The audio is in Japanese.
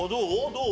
どう？